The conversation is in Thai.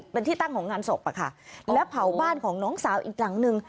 เป็นที่ตั้งของงานศพอะค่ะแล้วเผาบ้านของน้องสาวอีกหลังนึง